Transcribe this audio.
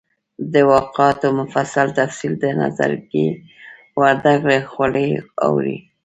د واقعاتو مفصل تفصیل د نظرګي ورورک له خولې اوري.